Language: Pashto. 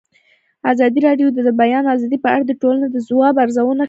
ازادي راډیو د د بیان آزادي په اړه د ټولنې د ځواب ارزونه کړې.